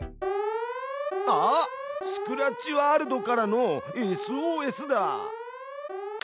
スクラッチワールドからのＳＯＳだ！